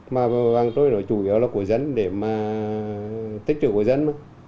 mà vàng trôi nổi chủ yếu là của dân để mà tích trưởng của dân